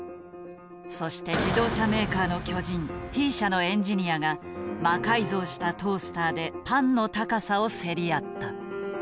そして自動車メーカーの巨人Ｔ社のエンジニアが魔改造したトースターでパンの高さを競り合った。